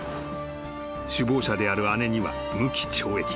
［首謀者である姉には無期懲役］